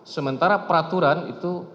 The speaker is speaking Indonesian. sementara peraturan itu